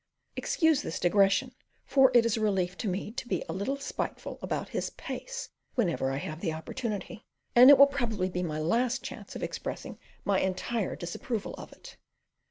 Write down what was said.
Excuse this digression, for it is a relief to me to be a little spiteful about his pace whenever I have an opportunity, and it will probably be my last chance of expressing my entire disapproval of it.